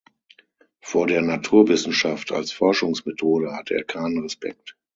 Vor der Naturwissenschaft als Forschungsmethode hatte er keinen Respekt.